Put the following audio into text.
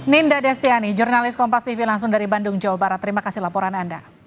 ninda destiani jurnalis kompas tv langsung dari bandung jawa barat terima kasih laporan anda